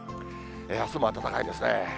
あすも暖かいですね。